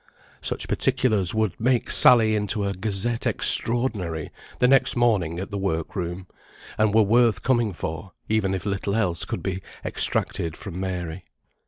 Such particulars would make Sally into a Gazette Extraordinary the next morning at the work room, and were worth coming for, even if little else could be extracted from Mary.